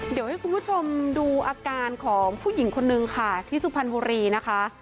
เดี๋ยวให้คุณผู้ชมดูอาการของผู้หญิงคนนึงค่ะที่สุพรรณบุรีนะคะ